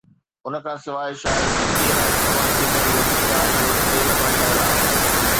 ان کان سواءِ شايد پٽي لاءِ استعمال ٿيندڙ لچڪدار به تيل مان ٺهيل آهي